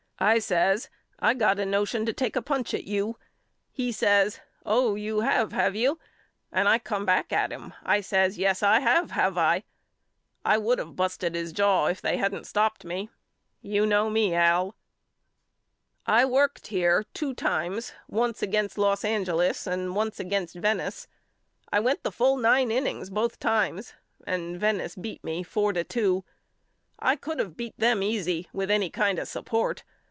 I says I got a notion to take a punch at you. He says Oh you have have you? And I come back at him. I says Yes I have have I? I would of busted his jaw if they hadn't stopped me. You know me Al. I worked here two times once against Los An A RUSHER'S LETTERS HOME 27 geles and once against Venice. I went the full nine innings both times and Venice beat me four to two. I could of beat them easy with any kind of support.